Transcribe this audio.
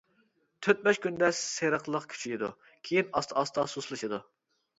تۆت-بەش كۈندە سېرىقلىق كۈچىيىدۇ، كېيىن ئاستا-ئاستا سۇسلىشىدۇ.